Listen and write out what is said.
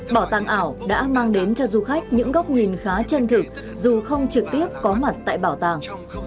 bảo tàng ảo đã mang đến cho du khách những góc nhìn khá chân thực dù không trực tiếp có mặt tại bảo tàng